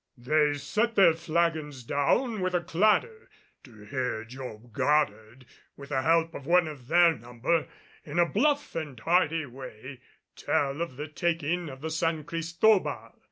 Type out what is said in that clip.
They set their flagons down with a clatter to hear Job Goddard, with the help of one of their number, in a bluff, hearty way tell of the taking of the San Cristobal.